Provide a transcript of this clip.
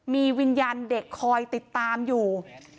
มีวิญญาณเด็กคอยติดตามอยู่